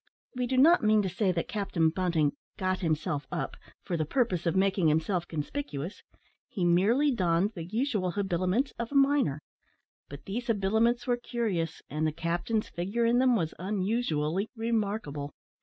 We do not mean to say that Captain Bunting "got himself up" for the purpose of making himself conspicuous. He merely donned the usual habiliments of a miner; but these habiliments were curious, and the captain's figure in them was unusually remarkable.